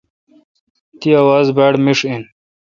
تی اواز باڑمیݭ این۔